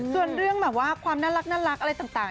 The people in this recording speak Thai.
ส่วนเรื่องความน่ารักอะไรต่าง